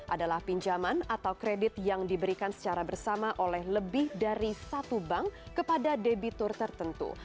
adalah pinjaman atau kredit yang diberikan secara bersama oleh lebih dari satu bank kepada debitur tertentu